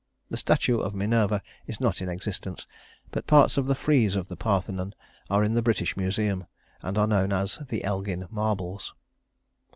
The statue of Minerva is not in existence, but parts of the frieze of the Parthenon are in the British Museum and are known as the Elgin Marbles.